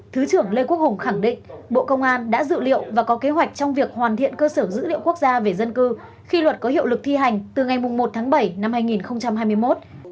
thứ trưởng lê quốc hùng khẳng định bộ công an đã dự liệu và có kế hoạch trong việc hoàn thiện cơ sở dữ liệu quốc gia về dân cư khi luật có hiệu lực thi hành từ ngày một tháng bảy năm hai nghìn hai mươi một